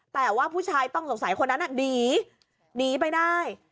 แต่ว่าผู้ชายต้องสงสัยคนนั้นหนีหนีไปได้